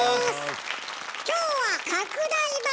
今日は拡大版！